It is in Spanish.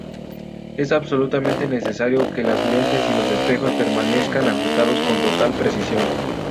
Es absolutamente necesario que las lentes y los espejos permanezcan ajustados con total precisión.